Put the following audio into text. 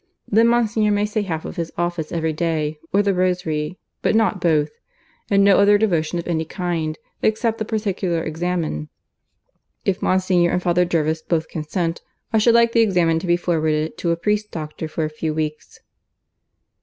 Then Monsignor may say half of his office every day, or the rosary; but not both. And no other devotions of any kind, except the particular Examen. If Monsignor and Father Jervis both consent, I should like the Examen to be forwarded to a priest doctor for a few weeks."